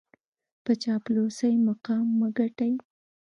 په چاپلوسۍ مقام مه ګټئ.